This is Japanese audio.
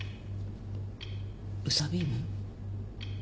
ウサビーム？